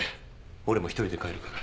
俺も一人で帰るから。